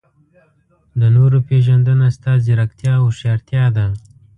د نورو پېژندنه ستا ځیرکتیا او هوښیارتیا ده.